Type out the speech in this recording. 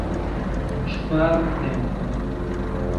Ŝparu tempon!